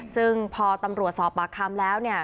ซึ่งพอตำรวจสอบปากคำแล้วเนี่ย